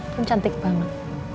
dan cantik banget